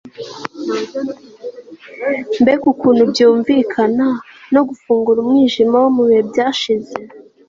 mbega ukuntu byunvikana no gufungura umwijima wo mu bihe byashize